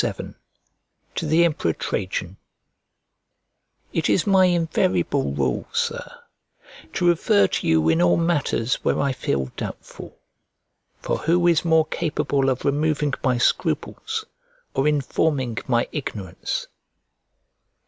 XCVII To THE EMPEROR TRAJAN IT is my invariable rule, Sir, to refer to you in all matters where I feel doubtful; for who is more capable of removing my scruples, or informing my ignorance?